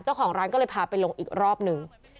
เจ้าของร้านก็เลยพาไปลงอีกรอบหนึ่ง